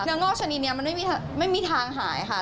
งอกชนิดนี้มันไม่มีทางหายค่ะ